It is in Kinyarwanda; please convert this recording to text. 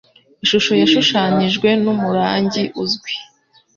Ishusho yashushanijwe numurangi uzwi.